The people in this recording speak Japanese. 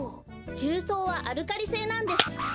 重曹はアルカリ性なんです。